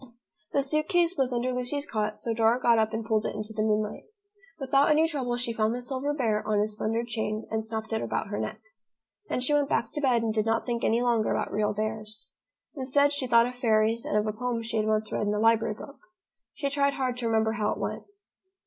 The suit case was under Lucy's cot, so Dora got up and pulled it into the moonlight. Without any trouble she found the silver bear on his slender chain and snapped it about her neck. Then she went back to bed and did not think any longer about real bears. Instead, she thought of fairies and of a poem she had once read in a library book. She tried hard to remember how it went.